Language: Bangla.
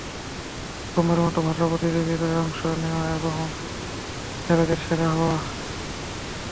প্রথমবারের মতো ভাষা প্রতিযোগে অংশ নেওয়া এবং অংশ নিয়েই সেরাদের সেরা হওয়া।